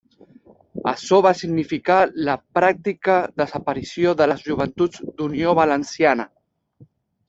Açò va significar la pràctica desaparició de les Joventuts d'Unió Valenciana.